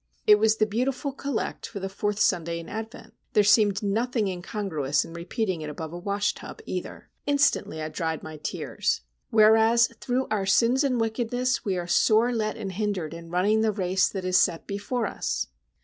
It was the beautiful collect for the Fourth Sunday in Advent. There seemed nothing incongruous in repeating it above a washtub, either! Instantly I dried my tears. "Whereas, through our sins and wickedness, we are sore let and hindered in running the race that is set before us!"